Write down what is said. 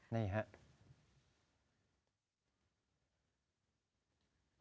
นี่ครับ